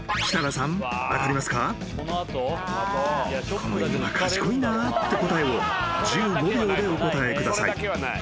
［この犬は賢いなって答えを１５秒でお答えください］